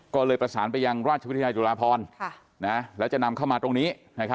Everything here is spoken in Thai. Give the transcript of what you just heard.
ก็เลยประสานไปยังราชวิทยาลจุฬาพรแล้วจะนำเข้ามาตรงนี้